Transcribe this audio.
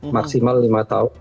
maksimal lima tahun